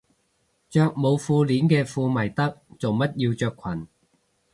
着冇褲鏈嘅褲咪得，做乜要着裙